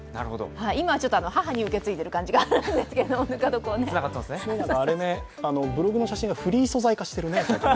今ちょっと母に受け継いでいる感じがあれブログの写真がフリー素材化してるね。